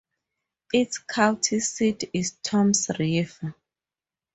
Its county seat is Toms River.